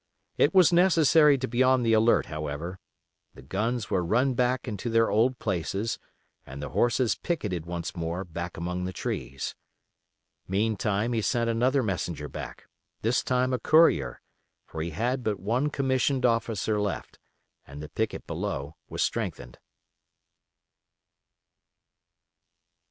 It was necessary to be on the alert, however; the guns were run back into their old places, and the horses picketed once more back among the trees. Meantime he sent another messenger back, this time a courier, for he had but one commissioned officer left, and the picket below was strengthened.